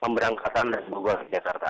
pemberangkatan bogor jakarta